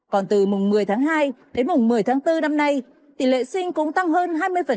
còn từ mùng một mươi tháng hai đến mùng một mươi tháng bốn năm nay tỷ lệ sinh cũng tăng hơn hai mươi